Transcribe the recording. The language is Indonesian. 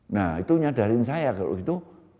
nah itu menyadarin saya kalau itu